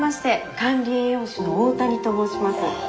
管理栄養士の大谷と申します。